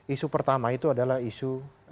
isu pertama itu adalah isu